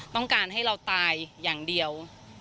ต้องการให้เราตายอย่างเดียว